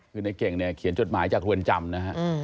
คุณเอะเก่งเขียนจดหมายจากรวรณจำนะฮะ